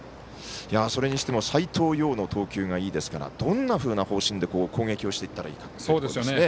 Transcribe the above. それにしても斎藤蓉の投球がいいですからどんなふうな方針で攻撃をしていったらいいかということですね。